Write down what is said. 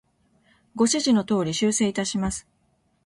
ご指示の通り、修正いたします。